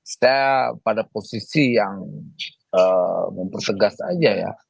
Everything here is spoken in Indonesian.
saya pada posisi yang mempersegas saja ya